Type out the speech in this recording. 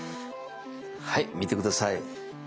はい見て下さい。